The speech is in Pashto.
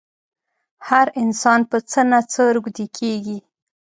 هر انسان په څه نه څه روږدی کېږي.